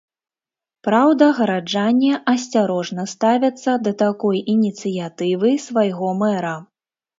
Праўда, гараджане асцярожна ставяцца да такой ініцыятывы свайго мэра.